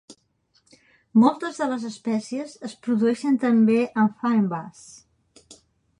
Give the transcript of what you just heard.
Moltes de les espècies es produeixen també en fynbos.